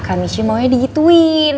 kak michi maunya dihituin